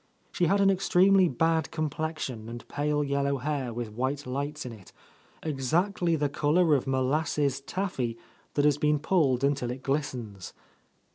She had an extremely bad complexion and pale yellow hair with white lights in it, exactly the colour of molasses taffy that has beem pulled until it glistens.